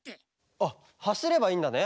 あっはしればいいんだね？